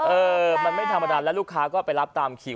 เออมันไม่ธรรมดาแล้วลูกค้าก็ไปรับตามคิว